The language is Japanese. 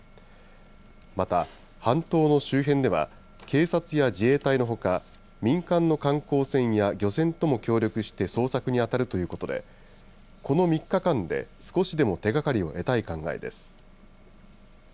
また、半島の周辺では、警察や自衛隊のほか、民間の観光船や漁船とも協力して、捜索に当たるということで、この３日間で少しでも手がかりを得たい考えです。